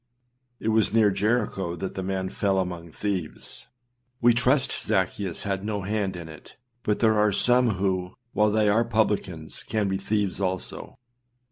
It was near Jericho that the man fell among thieves; we trust Zaccheus had no hand in it; but there are some who, while they are publicans, can be thieves also.